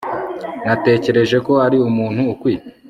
Natekereje ko ari umuntu ukwiye